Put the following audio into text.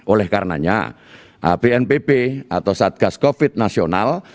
oleh karenanya bnpb atau satgas covid nasional